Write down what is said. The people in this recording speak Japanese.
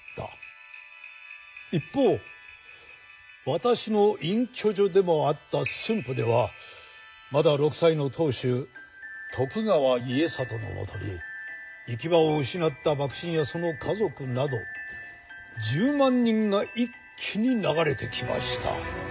一方私の隠居所でもあった駿府ではまだ６歳の当主徳川家達のもとに行き場を失った幕臣やその家族など１０万人が一気に流れてきました。